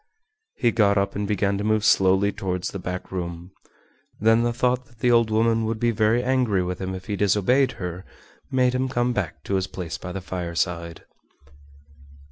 He got up and began to move slowly towards the back room. Then the thought that the old woman would be very angry with him if he disobeyed her made him come back to his place by the fireside.